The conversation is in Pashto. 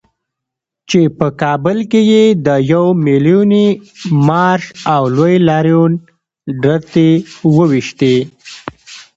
چې په کابل کې یې د يو ميليوني مارش او لوی لاريون ډرتې وويشتې.